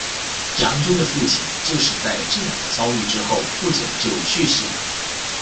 杨君的父亲就是在这样的遭遇之后不久就去世的。